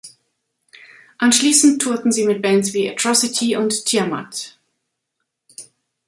Anschließend tourten sie mit Bands wie Atrocity und Tiamat.